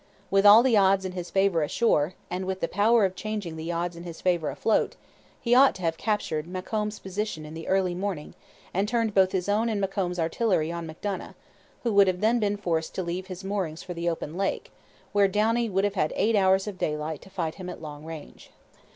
With all the odds in his favour ashore, and with the power of changing the odds in his favour afloat, he ought to have captured Macomb's position in the early morning and turned both his own and Macomb's artillery on Macdonough, who would then have been forced to leave his moorings for the open lake, where Downie would have had eight hours of daylight to fight him at long range.